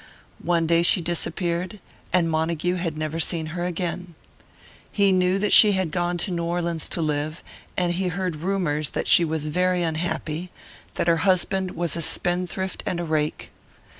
One day she disappeared, and Montague had never seen her again. He knew that she had gone to New Orleans to live, and he heard rumours that she was very unhappy, that her husband was a spendthrift and a rake.